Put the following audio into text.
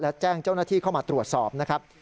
และแจ้งเจ้าหน้าที่เข้ามาตรวจสอบนะครับ